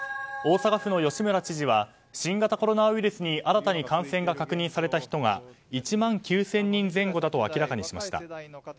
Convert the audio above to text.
大阪府の吉村知事は新型コロナウイルスに新たに感染が確認された人が１万９０００人前後だと明らかにしました。